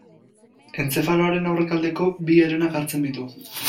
Entzefaloaren aurrealdeko bi herenak hartzen ditu.